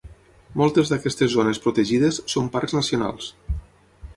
Moltes d'aquestes zones protegides són parcs nacionals.